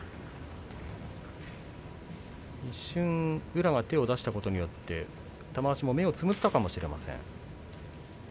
一瞬、宇良が手を出したことによって玉鷲も目をつぶったかもしれません。